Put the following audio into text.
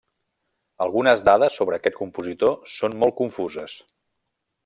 Algunes dades sobre aquest compositor són molt confuses.